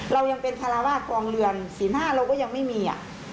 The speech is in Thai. เรายังเป็นคาราวาสกองเรือนศีล๕เราก็ยังไม่มี